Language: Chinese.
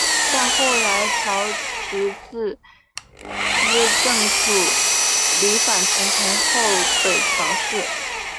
但后来朝直自资正处离反臣从后北条氏。